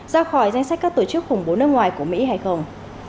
ra khỏi danh sách các tổ chức khủng bố nước ngoài của mỹ hay không